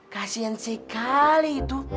kasian sekali itu